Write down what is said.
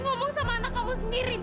kamila jangan berop sneakers